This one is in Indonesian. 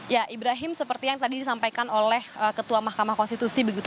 ya ibrahim seperti yang tadi disampaikan oleh ketua mahkamah konstitusi